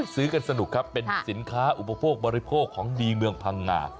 ซื้อกันสนุกครับเป็นสินค้าอุปโภคบริโภคของดีเมืองพังงา